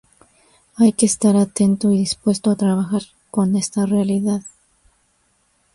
Hay que estar atento y dispuesto a trabajar con esta realidad".